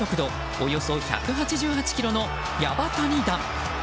およそ１８８キロのやば谷弾。